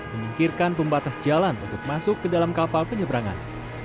menyingkirkan pembatas jalan untuk masuk ke dalam kapal penyeberangan